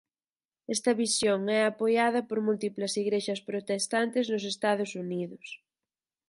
Esta visión é apoiada por múltiplas igrexas protestantes nos Estados Unidos.